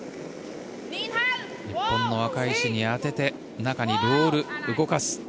日本の赤い石に当てて中にロール、動かす。